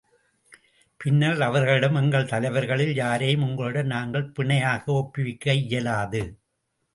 பின்னர், அவர்களிடம், எங்கள் தலைவர்களில் யாரையும் உங்களிடம் நாங்கள் பிணையாக ஒப்புவிக்க இயலாது.